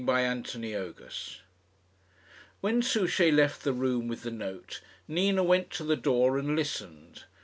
CHAPTER XV When Souchey left the room with the note, Nina went to the door and listened.